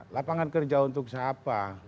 lapangan kerja untuk siapa